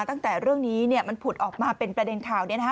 ตั้งแต่เรื่องนี้มันผุดออกมาเป็นประเด็นข่าว